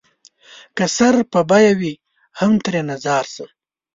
که سر په بيه وي هم ترېنه ځار شــــــــــــــــــه